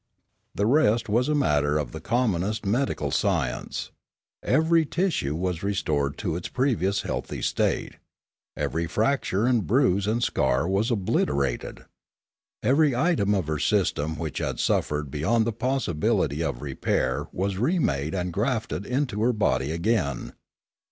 The rest was a matter of the commonest medical sci ence. Every tissue was restored to its previous healthy state. Every fracture and bruise and scar was obliter ated. Every item of her system which had suffered beyond the possibility of repair was remade and grafted into her body again.